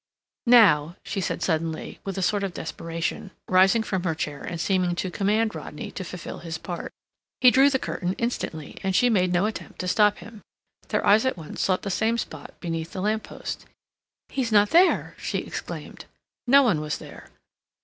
"Now," she said suddenly, with a sort of desperation, rising from her chair and seeming to command Rodney to fulfil his part. He drew the curtain instantly, and she made no attempt to stop him. Their eyes at once sought the same spot beneath the lamp post. "He's not there!" she exclaimed. No one was there.